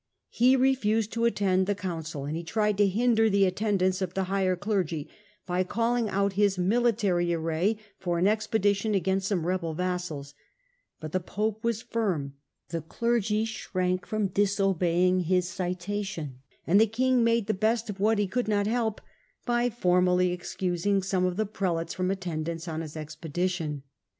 He refiised to attend the coun cil, and he tried to hinder the attendance of the higher clergy by calling out his military array for an expedi tion against some rebel vassals ; but the pope was firm, the clergy shrank from disobeying his citation, and the king made the best of what he could not help, by formally excusing some of the prelates from attendance on his expedition.